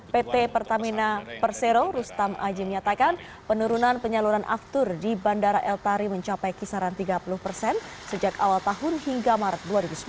pt pertamina persero rustam aji menyatakan penurunan penyaluran aftur di bandara el tari mencapai kisaran tiga puluh persen sejak awal tahun hingga maret dua ribu sembilan belas